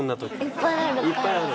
いっぱいある。